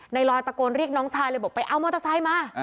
ลอยตะโกนเรียกน้องชายเลยบอกไปเอามอเตอร์ไซค์มา